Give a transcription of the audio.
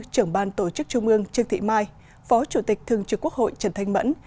trưởng ban tổ chức trung ương trương thị mai phó chủ tịch thường trực quốc hội trần thanh mẫn